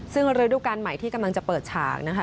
ซึ่งฤดูการใหม่ที่กำลังจะเปิดฉากนะคะ